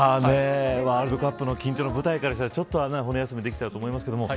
ワールドカップの緊張の舞台からしたらちょっと骨休めできてると思いますけど。